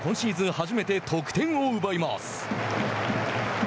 初めて得点を奪います。